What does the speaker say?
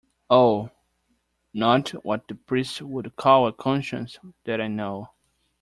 Oh, not what the priests would call a conscience; that I know.